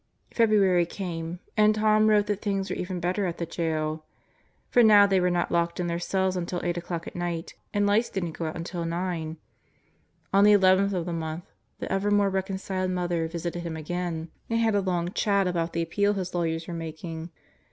February came and Tom wrote that things were even better at the jail; for now they were not locked in their cells until eight o'clock at night, and lights didn't go out until nine. On the Solitary Confinement 51 eleventh of the month, the ever more reconciled mother visited him again and had a long chat about the appeal his lawyers were making.